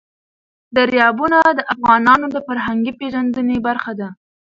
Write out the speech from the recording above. دریابونه د افغانانو د فرهنګي پیژندنې برخه ده.